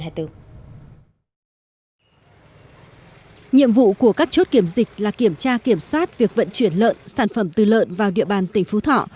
nhiệm vụ của các chốt kiểm dịch là kiểm tra kiểm soát việc vận chuyển lợn sản phẩm từ lợn vào địa bàn tỉnh phú thọ